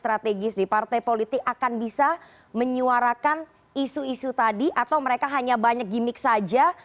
strategis di partai politik akan bisa menyuarakan isu isu tadi atau mereka hanya banyak gimmick saja